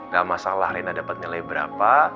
gak masalah rena dapet nilai berapa